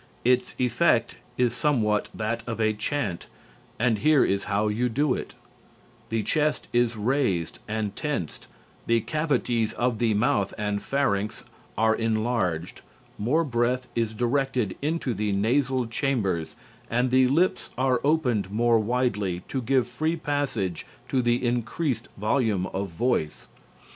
Its effect is somewhat that of a chant, and here is how you do it: The chest is raised and tensed, the cavities of the mouth and pharynx are enlarged, more breath is directed into the nasal chambers and the lips are opened more widely to give free passage to the increased volume of voice.